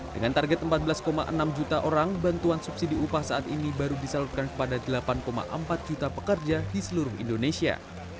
dengan target empat belas enam juta orang bantuan subsidi upah saat ini baru disalurkan kepada delapan empat juta pekerja di seluruh indonesia